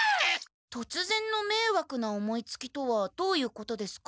とつぜんのめいわくな思いつきとはどういうことですか？